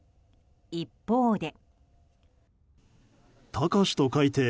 一方で。